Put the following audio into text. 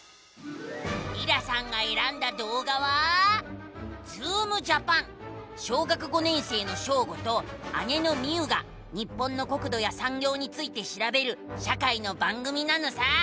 りらさんがえらんだどうがは小学５年生のショーゴと姉のミウが日本の国土やさんぎょうについてしらべる社会の番組なのさ！